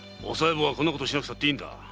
坊はこんなことしなくたっていいんだ。